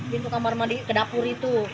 pintu kamar mandi ke dapur itu